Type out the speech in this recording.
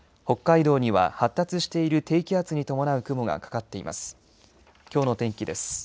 北海道には発達している低気圧に伴う雲がかかっています。